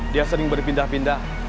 dia sering berpindah pindah